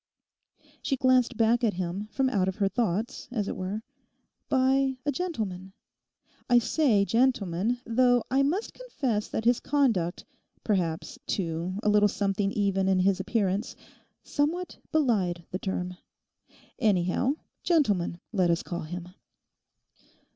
She glanced back at him from out of her thoughts, as it were. 'By a gentleman. I say, gentleman; though I must confess that his conduct—perhaps, too, a little something even in his appearance, somewhat belied the term. Anyhow, gentleman let us call him.